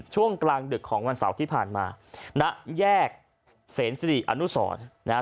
ช่วงกลางดึกของวันเสาร์ที่ผ่านมาณแยกเสนสิริอนุสรนะฮะ